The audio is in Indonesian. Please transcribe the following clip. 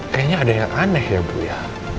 kayaknya ada yang aneh ya bu ya